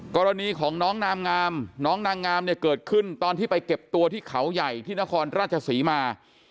กรณีของน้องนามงามเกิดขึ้นตอนที่ไปเก็บตัวที่เขาใหญ่ที่นครราชสีมา